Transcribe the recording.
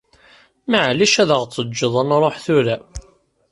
Meɛlic ad ɣ-teǧǧeḍ ad nṛuḥ tura?